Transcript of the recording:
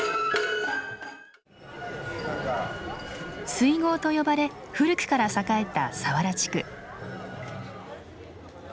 水郷と呼ばれ古くから栄えた佐原地区。